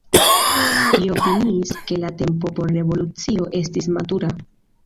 Ili opiniis ke la tempo por revolucio estis matura.